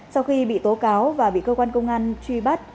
sau khi bị tố cáo và bị cơ quan công an truy bắt